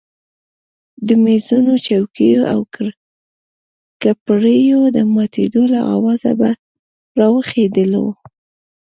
د مېزونو چوکیو او کپړیو د ماتېدو له آوازه به راویښېدلو.